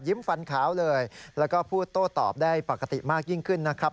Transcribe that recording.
ฟันขาวเลยแล้วก็พูดโต้ตอบได้ปกติมากยิ่งขึ้นนะครับ